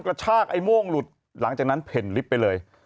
กระชากไอ้โม่งหลุดหลังจากนั้นเพ่นลิฟต์ไปเลย